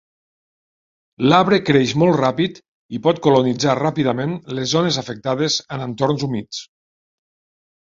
L'arbre creix molt ràpid i pot colonitzar ràpidament les zones afectades en entorns humits.